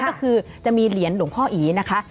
ก็คือจะมีเหรียญหลวงพ่ออีนะคะ